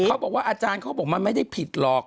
เขาบอกว่าอาจารย์เขาบอกมันไม่ได้ผิดหรอก